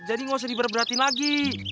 jadi gak usah diberberatin lagi